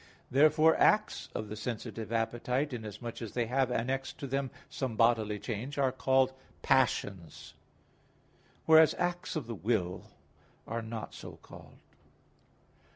Therefore acts of the sensitive appetite, inasmuch as they have annexed to them some bodily change, are called passions; whereas acts of the will are not so called.